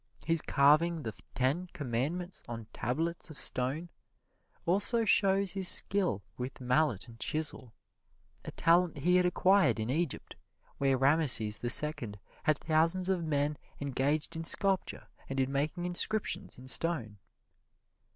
His carving the ten commandments on tablets of stone also shows his skill with mallet and chisel, a talent he had acquired in Egypt, where Rameses the Second had thousands of men engaged in sculpture and in making inscriptions in stone.